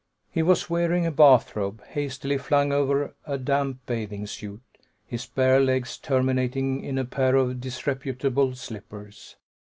He was wearing a bathrobe, hastily flung on over a damp bathing suit, his bare legs terminating in a pair of disreputable slippers.